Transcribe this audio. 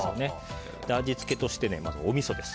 味付けとして、おみそです。